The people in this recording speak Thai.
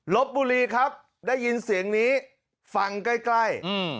ลบบุรีครับได้ยินเสียงนี้ฟังใกล้